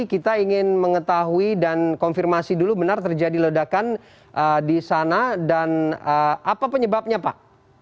kita ingin mengetahui dan konfirmasi dulu benar terjadi ledakan di sana dan apa penyebabnya pak